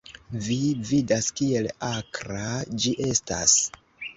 Vi vidas, kiel akra ĝi eŝtas?